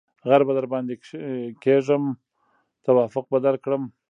ـ غر به درباندې کېږم توافق به درکړم.